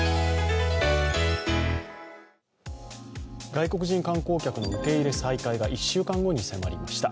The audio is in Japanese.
外国人観光客の受け入れ再開が１週間後に迫りました。